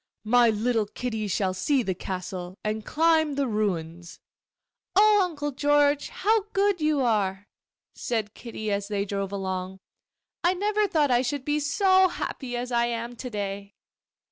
'My little Kitty shall see the castle, and climb the ruins.' 'Oh, Uncle George, how good you are!' said Kitty, as they drove along. 'I never thought I should be so happy as I am to day.